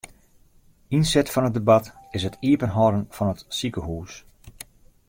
Ynset fan it debat is it iepenhâlden fan it sikehús.